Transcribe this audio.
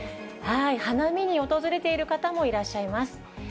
花見に訪れている方もいらっしゃいます。